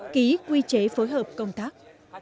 ký quy chế phối hợp công tác